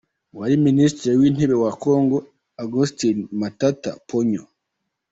Uwari Minisitiri w’Intebe wa Congo Augustin Matata Ponyo